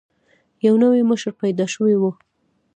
یو نوی مشر پیدا شوی وو.